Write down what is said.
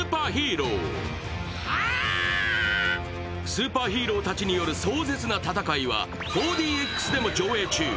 スーパーヒーローたちによる壮絶な戦いは４ＤＸでも上映中。